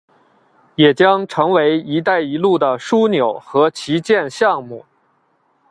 也将成为一带一路的枢纽和旗舰项目。